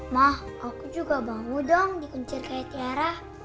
ma aku juga bangun dong di kuncir kayak tiara